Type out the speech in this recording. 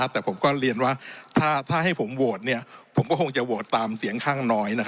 แต่ผมก็เรียนว่าถ้าให้ผมโหวตผมก็คงจะโหวตตามเสียงข้างน้อย